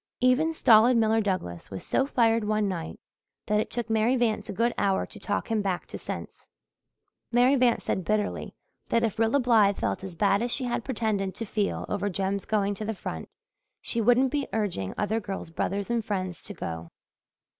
Even stolid Miller Douglas was so fired one night that it took Mary Vance a good hour to talk him back to sense. Mary Vance said bitterly that if Rilla Blythe felt as bad as she had pretended to feel over Jem's going to the front she wouldn't be urging other girls' brothers and friends to go.